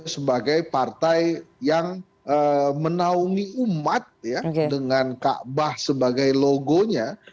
sebagai partai yang menaungi umat dengan kaabah sebagai logonya